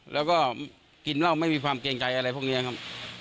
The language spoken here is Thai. แล้วก็กินแร่วไม่มีความเกรงใจอะไรพวกเนี่ยค่ะ